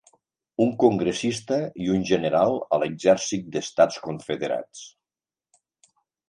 Un congressista i un general a l'Exèrcit d'Estats Confederats.